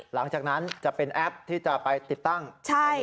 หลังจากนั้นจะเป็นแอปที่จะไปติดตั้ง